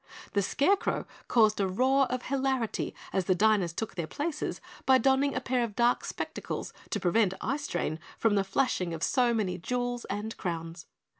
The Scarecrow caused a roar of hilarity as the diners took their places by donning a pair of dark spectacles to prevent eye strain from the flashing of so many jewels and crowns.